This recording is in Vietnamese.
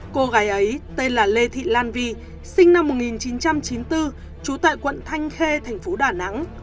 cô gái ấy tên là lê thị lan vi sinh năm một nghìn chín trăm chín mươi bốn trú tại quận thanh khê thành phố đà nẵng